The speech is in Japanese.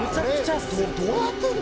「どうなってるの？